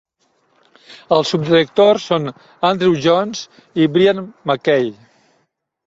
Els subdirectors són Andrew Jones i Brian Mackey.